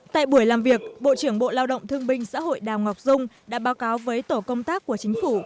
tại buổi làm việc bộ trưởng bộ lao động thương binh xã hội đào ngọc dung đã báo cáo với tổ công tác của chính phủ